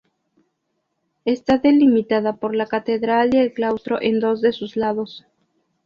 Está delimitada por la catedral y el claustro en dos de sus lados.